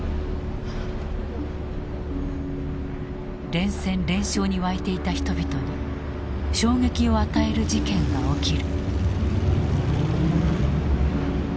連戦連勝に沸いていた人々に衝撃を与える事件が起きる。